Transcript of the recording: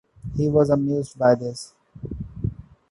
He was amused by this.